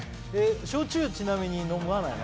焼酎はちなみに飲まないの？